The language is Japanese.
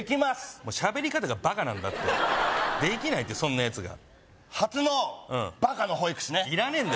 もう喋り方がバカなんだってできないってそんな奴が初のバカの保育士ねいらねえんだよ